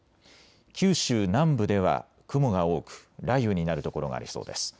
九州南部では雲が多く雷雨になる所がありそうです。